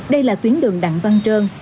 đây là tuyến đường đặng văn trơn